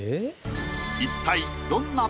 一体。